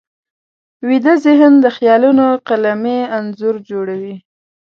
ویده ذهن د خیالونو قلمي انځور جوړوي